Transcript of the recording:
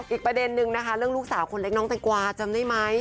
อีกประเด็นนึงนะคะเรื่องลูกสาวคนเล็กน้องแตงกวาจำได้ไหม